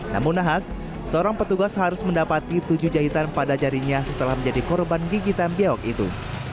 namun nahas seorang petugas harus mendapati tujuh jahitan pada jarinya setelah menjadi korban gigitan biawak itu